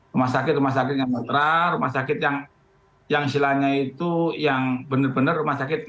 rumah sakit rumah sakit yang netral rumah sakit yang silanya itu yang bener bener rumah sakit mati